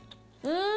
うん！